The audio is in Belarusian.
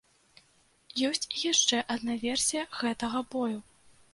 Ёсць і яшчэ адна версія гэтага бою.